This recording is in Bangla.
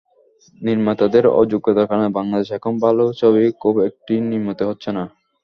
নির্মাতাদের অযোগ্যতার কারণেই বাংলাদেশে এখন ভালো ছবি খুব একটা নির্মিত হচ্ছে না।